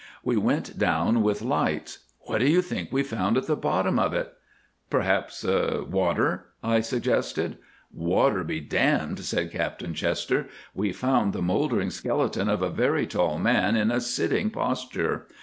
"We went down with lights. What do you think we found at the bottom of it?" "Perhaps water," I suggested. "Water be d⸺," said Captain Chester, "we found the mouldering skeleton of a very tall man in a sitting posture.